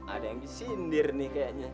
ada yang disindir nih kayaknya